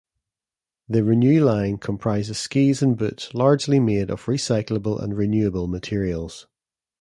The "Renu" line comprises skis and boots largely made of recyclable and renewable materials.